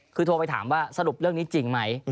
คือโทรไปถามว่าสรุปเรื่องนี้จริงไหม